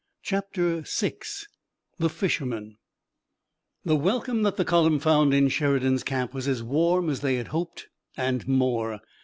CHAPTER VI THE FISHERMEN The welcome that the column found in Sheridan's camp was as warm as they had hoped, and more.